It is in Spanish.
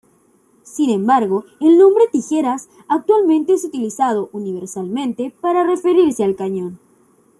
Sin embargo el nombre "Tijeras" actualmente es utilizado universalmente para referirse al cañón.